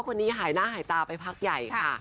คนนี้หายหน้าหายตาไปพักใหญ่ค่ะ